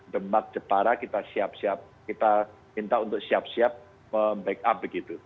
demak jepara kita siap siap kita minta untuk siap siap membackup begitu